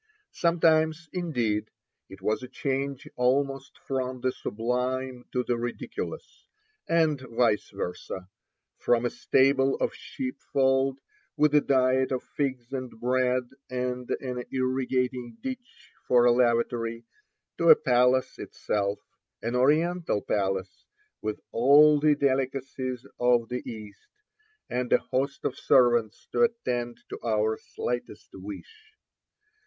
Sometimes, indeed, it was a change almost from the sublime to the ridiculous, and vice versa — from a stable or sheepfold, with a diet of figs and bread, and an irrigating ditch for a lavatory, to a palace itself, an Oriental palace, with all the delicacies of the East, and a host of servants to attend to our slightest wish.